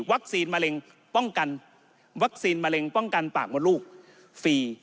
วัคซีนมะเร็งป้องกันปากมดลูกฟรี